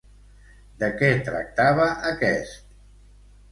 De què tractava aquest?